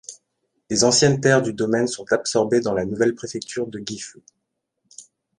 Les anciennes terres du domaine sont absorbées dans la nouvelle préfecture de Gifu.